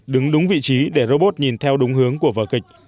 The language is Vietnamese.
đứng đúng vị trí để robot nhìn theo đúng hướng của vở kịch